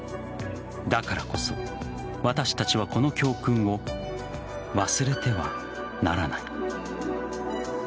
だからこそ、私たちはこの教訓を忘れてはならない。